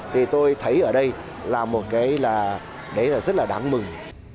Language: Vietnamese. thì tôi thấy ở đây là một cái rất là đáng mừng